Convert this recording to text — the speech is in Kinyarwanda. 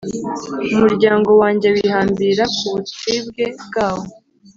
Umuryango wanjye wihambira ku bucibwe bwawo;